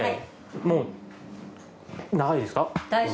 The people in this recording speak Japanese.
もう長いですか？